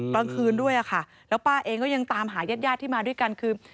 กลางคืนด้วยค่ะแล้วป้าเองก็ยังตามหายาดที่มาด้วยกันคือ